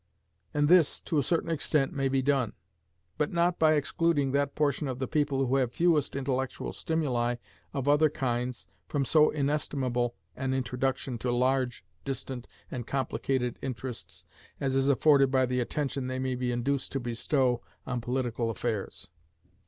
And this, to a certain extent, may be done, but not by excluding that portion of the people who have fewest intellectual stimuli of other kinds from so inestimable an introduction to large, distant, and complicated interests as is afforded by the attention they may be induced to bestow on political affairs.